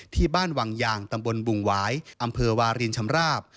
ที่บ้านวังยางตำบลบุงหวายอำเภอวารินชำราบ